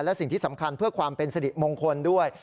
และสิ่งที่สำคัญเพื่อความเป็นสิริมงคลด้วย